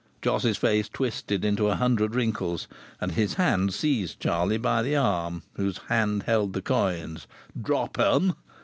Jos's face twisted into a hundred wrinkles and his hand seized Charlie by the arm whose hand held the coins. "Drop 'em!"